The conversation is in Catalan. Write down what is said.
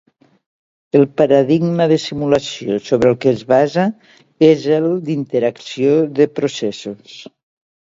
El paradigma de simulació sobre el que es basa és el d'interacció de processos.